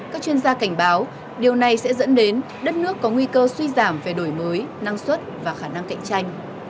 các chuyên gia cảnh báo điều này sẽ dẫn đến đất nước có nguy cơ suy giảm về đổi mới năng suất và khả năng cạnh tranh